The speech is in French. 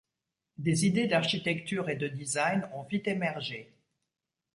Des idées d'architecture et de design ont vite émergé.